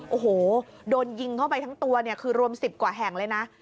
โอ้โหโดนยิงเข้าไปทั้งตัวเนี่ยคือรวม๑๐กว่าแห่งเลยนะ